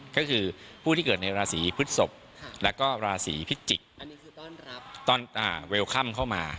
ก็คือผู้ที่เกิดในราศีพฤศพและก็ราศีพิจิกตอนเวลคัมเข้ามา